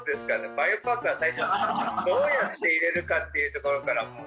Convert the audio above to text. バイオパークは最初どうやって入れるかっていうところから。